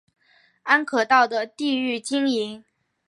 安可道的地域经营。